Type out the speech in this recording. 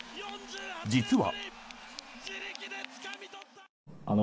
実は。